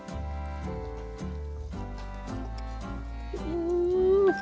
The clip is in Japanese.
うん！